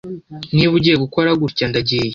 Niba ugiye gukora gutya, ndagiye.